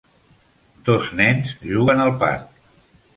Dos nens juguen al parc.